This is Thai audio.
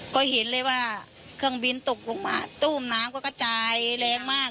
ก็เห็นเลยว่าเครื่องบินตกลงมาตู้มน้ำก็กระจายแรงมาก